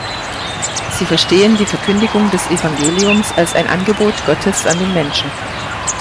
Sie verstehen die Verkündigung des Evangeliums als ein Angebot Gottes an den Menschen.